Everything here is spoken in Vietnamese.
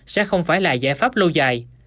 sẽ không phải là giải pháp lâu dài